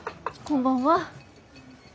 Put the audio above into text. こんばんは。